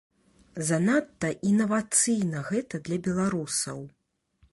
Занадта інавацыйна гэта для беларусаў.